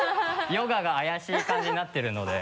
ヨガが怪しい感じになってるので。